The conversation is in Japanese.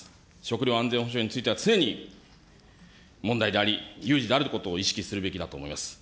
食料安全保障については常に問題であり、有事であることを意識するべきだと思います。